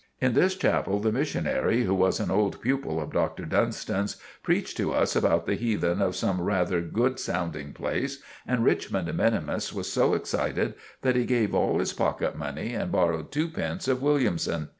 In this chapel the missionary, who was an old pupil of Dr. Dunstan's, preached to us about the heathen of some rather good sounding place; and Richmond minimus was so excited that he gave all his pocket money and borrowed two pence of Williamson.